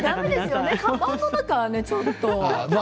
かばんの中はちょっとね。